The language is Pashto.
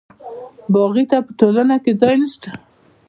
باغي ته په ټولنه کې ځای نشته.